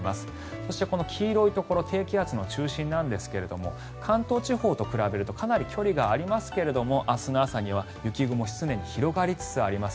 そして、黄色いところ低気圧の中心なんですが関東地方と比べるとかなり距離がありますけれども明日の朝には雪雲、常に広がりつつあります。